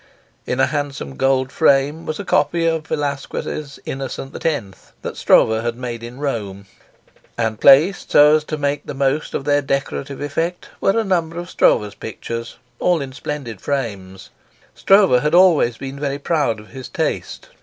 In a handsome gold frame was a copy of Velasquez' Innocent X., that Stroeve had made in Rome, and placed so as to make the most of their decorative effect were a number of Stroeve's pictures, all in splendid frames. Stroeve had always been very proud of his taste.